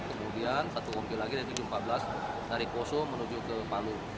kemudian satu mobil lagi dari tujuh ratus empat belas dari poso menuju ke palu